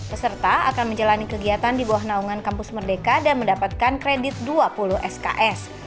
peserta akan menjalani kegiatan di bawah naungan kampus merdeka dan mendapatkan kredit dua puluh sks